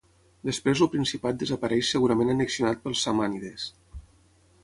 Després el principat desapareix segurament annexionat pels samànides.